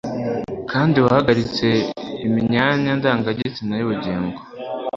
Kandi wahagaritse imyanya ndangagitsina yubugingo.